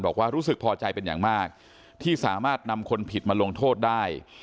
รู้สึกพอใจเป็นอย่างมากที่สามารถนำคนผิดมาลงโทษได้